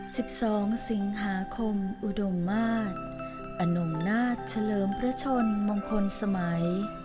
สิบสองสิงหาคมอุดมมาศอนงนาฏเฉลิมพระชนมงคลสมัย